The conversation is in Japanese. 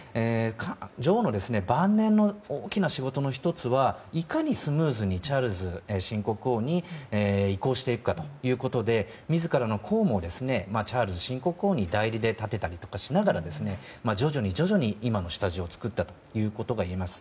女王の晩年の大きな仕事の１つはいかにスムーズにチャールズ新国王に移行していくかということで自らの公務をチャールズ新国王に代理で立てたりとかしながら徐々に徐々に今の下地を作ったといえます。